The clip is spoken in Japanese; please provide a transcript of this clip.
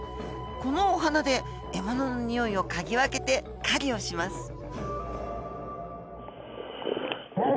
このお鼻で獲物のにおいを嗅ぎ分けて狩りをします。